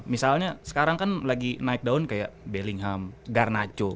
misalnya sekarang kan lagi naik daun kayak bellingham garnacho